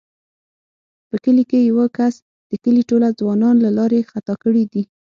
په کلي کې یوه کس د کلي ټوله ځوانان له لارې خطا کړي دي.